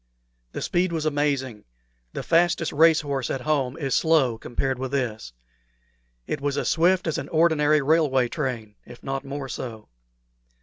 The speed was amazing; the fastest race horse at home is slow compared with this. It was as swift as an ordinary railway train, if not more so.